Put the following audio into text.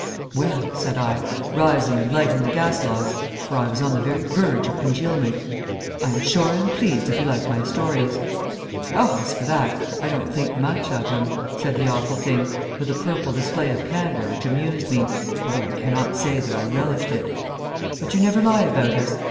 "Well," said I, rising and lighting the gas logs for I was on the very verge of congealment "I am sure I am pleased if you like my stories." "Oh, as for that, I don't think much of them," said the Awful Thing, with a purple display of candor which amused me, although I cannot say that I relished it; "but you never lie about us.